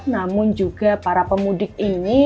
namun juga para pemudik ini